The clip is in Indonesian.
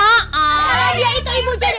salah dia itu ibu jenny